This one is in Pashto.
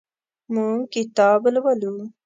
موږ کتاب لولو.